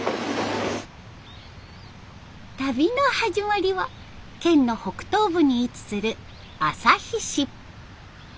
旅の始まりは県の北東部に位置する旭市。